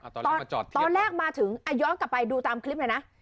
ตอนแรกมาถึงย้อนกลับไปดูตามคลิปเลยนะ